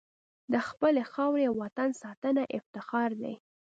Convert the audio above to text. د خپلې خاورې او وطن ساتنه افتخار دی.